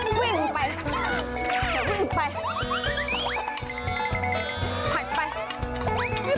มันวิ่งไป